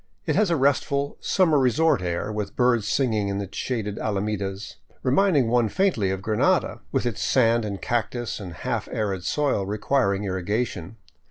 It has a restful, summer resort air, with birds singing in its shaded alamedas, reminding one faintly of Granada, with its sand and cactus and half arid soil requir ing irrigation.